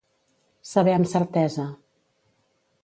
Saber amb certesa.